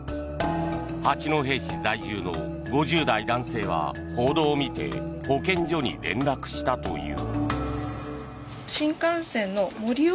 八戸市在住の５０代男性は報道を見て保健所に連絡したという。